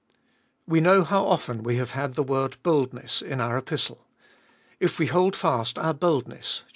WE know how often we have had the word boldness in our Epistle. If we hold fast our boldness (iii.